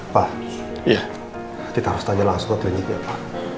pak kita harus tanya langsung ke kliniknya